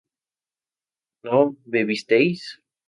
¿no bebisteis?